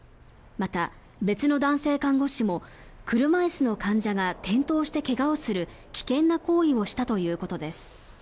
また、別の男性看護師も車椅子の患者が転倒して怪我をする危険な行為をしたということです。